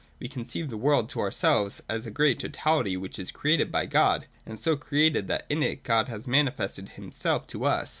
We conceive the world to ourselves as a great totality which is created by God, and so created that in it God has manifested himself to us.